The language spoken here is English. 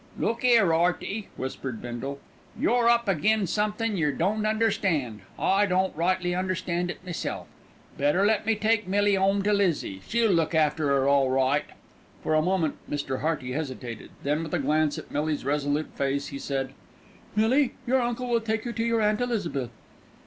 "Look 'ere, 'Earty," whispered Bindle, "you're up agin' somethin' yer don't understand, I don't rightly understand it meself. Better let me take Millie 'ome to Lizzie, she'll look after 'er all right." For a moment Mr. Hearty hesitated; then with a glance at Millie's resolute face, he said: "Millie, your uncle will take you to your Aunt Elizabeth."